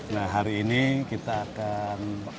nah hari ini kita akan